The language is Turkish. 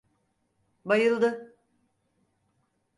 Bayıldı.